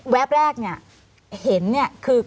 แว็บแรกนี่เห็นคือ